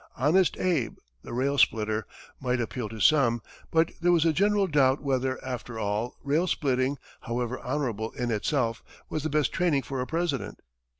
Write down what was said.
"Honest Abe, the Rail Splitter," might appeal to some, but there was a general doubt whether, after all, rail splitting, however honorable in itself, was the best training for a President.